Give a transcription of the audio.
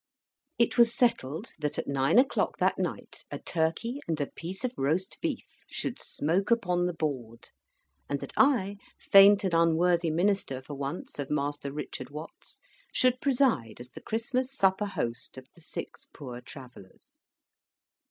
It was settled that at nine o'clock that night a Turkey and a piece of Roast Beef should smoke upon the board; and that I, faint and unworthy minister for once of Master Richard Watts, should preside as the Christmas supper host of the six Poor Travellers.